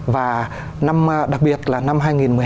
và đặc biệt là năm hai nghìn một mươi hai